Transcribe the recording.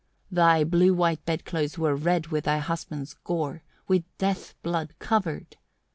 Thy blue white bed clothes were red with thy husband's gore, with death blood covered.